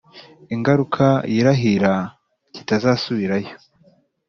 Igaruka yirahira kitazasubirayo